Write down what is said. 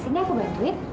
sini aku bantuin